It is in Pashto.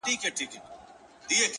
• ته چي هري خواته ځې ځه پر هغه ځه,